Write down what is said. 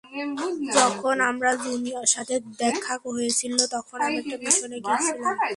যখন আমার জূনির সাথে দেখা হয়েছিল তখন আমি একটি মিশনে ছিলাম।